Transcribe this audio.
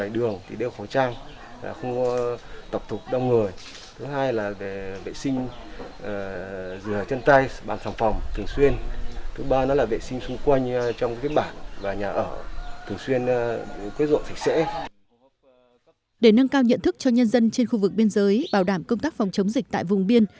để nâng cao nhận thức cho nhân dân trên khu vực biên giới bảo đảm công tác phòng chống dịch tại vùng biên